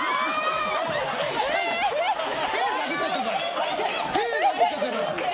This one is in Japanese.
手殴っちゃったから。